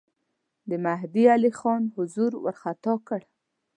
د مهدی علي خان حضور وارخطا کړ.